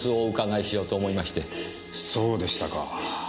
そうでしたか。